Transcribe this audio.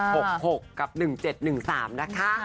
หกหกกับหนึ่งเจ็ดหนึ่งสามนะคะ